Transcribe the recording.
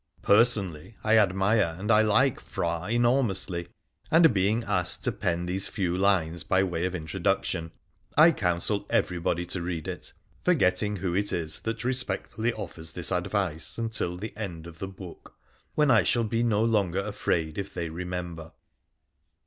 Personally I admire and I like ' Phra ' enormously, and, being asked to pen these few lines by way of introduction, I counsel every body to read it, forgetting who it is that respectfully offers this advice until the end of the book, when I shall bo no longer afraid if they remember.